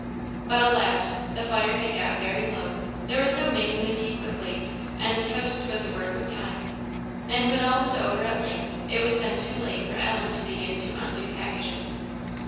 But alas! the fire had got very low; there was no making the tea quickly; and the toast was a work of time. And when all was over at length, it was then too late for Ellen to begin to undo packages.